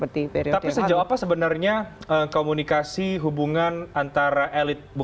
tapi sejauh apa sebenarnya komunikasi hubungan antara elit